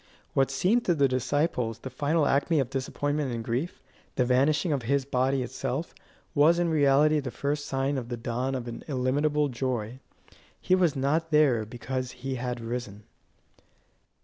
What seemed to the disciples the final acme of disappointment and grief, the vanishing of his body itself, was in reality the first sign of the dawn of an illimitable joy. He was not there because he had risen.